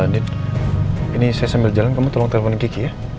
ini saya sambil jalan kamu tolong telepon kiki ya